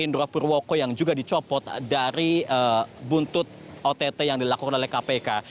indra purwoko yang juga dicopot dari buntut ott yang dilakukan oleh kpk